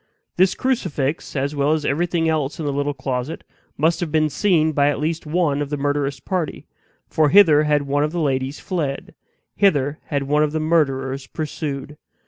This crucifix, as well as everything else in the little closet, must have been seen by one at least of the murderous party; for hither had one of the ladies fled; hither had one of the murderers pursued.